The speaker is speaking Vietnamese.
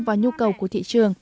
và nhu cầu của thị trường